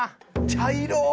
茶色！